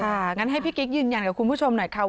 งั้นให้พี่กิ๊กยืนยันกับคุณผู้ชมหน่อยค่ะ